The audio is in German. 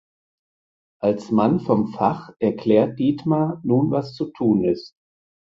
Als Mann vom Fach erklärt Dietmar nun was zu tun ist.